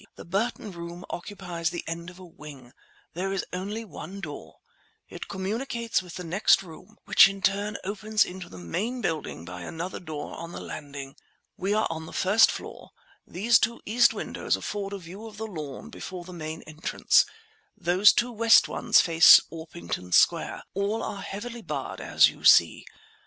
The Burton Room occupies the end of a wing; there is only one door; it communicates with the next room, which in turn opens into the main building by another door on the landing. We are on the first floor; these two east windows afford a view of the lawn before the main entrance; those two west ones face Orpington Square; all are heavily barred as you see.